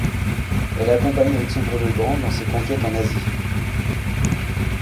Elle accompagne Alexandre le Grand dans ses conquêtes en Asie.